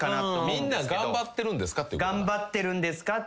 みんな頑張ってるんですかっていうことか。